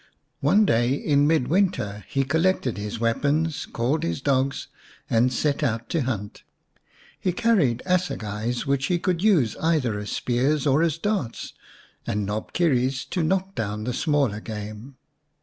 One day in midwinter he collected his weapons, called his dogs, and set out to hunt. He carried assegais, which he could use either as spears or as darts, and knobkerries to knock down the smaller game.